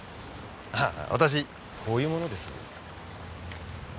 ああ私こういう者です。